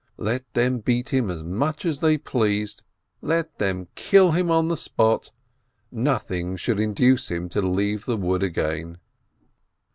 Let them beat him as much as they pleased, let them kill him on the spot, nothing should induce him to leave the wood again!